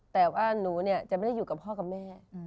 แต่ว่าหนูเนี่ยจะไม่ได้อยู่กับพ่อกับแม่